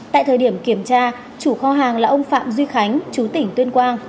tại thời điểm kiểm tra chủ kho hàng là ông phạm duy khánh chú tỉnh tuyên quang